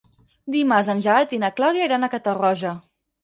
Dimarts en Gerard i na Clàudia iran a Catarroja.